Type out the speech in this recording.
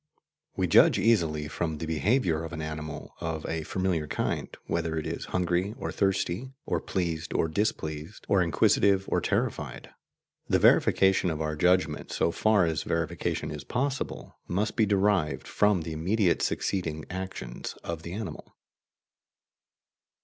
We judge easily from the behaviour of an animal of a familiar kind whether it is hungry or thirsty, or pleased or displeased, or inquisitive or terrified. The verification of our judgment, so far as verification is possible, must be derived from the immediately succeeding actions of the animal.